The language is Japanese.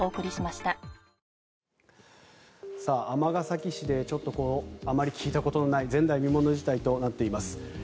尼崎市でちょっとあまり聞いたことのない前代未聞の事態となっています。